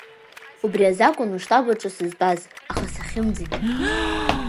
Убри азакәын уштаб аҿы сызтәаз, аха сахьымӡеит.